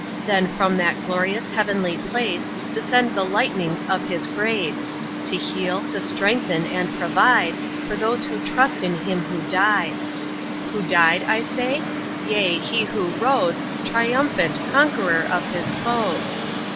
"Then from that glorious, heavenly place Descend the lightnings of His grace; To heal, to strengthen, and provide, For those who trust in Him Who died. 'Who died,' I say? Yea, He Who rose Triumphant, Conqueror of His foes!